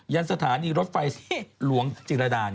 ยานสถานีรถไฟหลวงจิงระดาษ์นี้